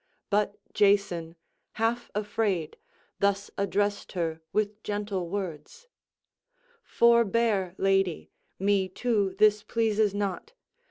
But Jason, half afraid, thus addressed her with gentle words: "Forbear, lady; me too this pleases not.